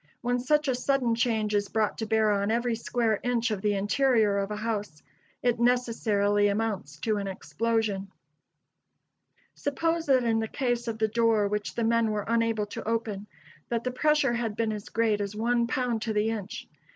When such a sudden change is brought to bear on every square inch of the interior of a house, it necessarily amounts to an explosion. Suppose that in the case of the door which the men were unable to open, that the pressure had been as great as one pound to the inch.